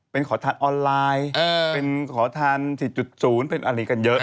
เป็นขอทานออนไลน์เป็นขอทาน๔๐เป็นอะไรกันเยอะ